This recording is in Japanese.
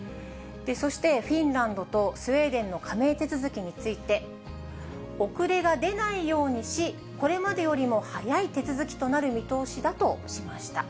そしてフィンランドとスウェーデンの加盟手続きについて、遅れが出ないようにし、これまでよりも早い手続きとなる見通しだとしました。